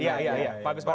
iya iya pak agus wadi